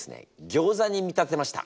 ギョーザに見立てました。